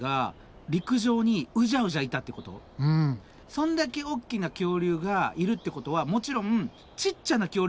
そんだけ大きな恐竜がいるってことはもちろんちっちゃな恐竜もいるってこと？